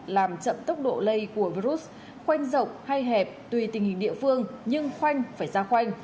làm chậm tốc độ lây của virus khoanh rộng hay hẹp tùy tình hình địa phương nhưng khoanh phải ra khoanh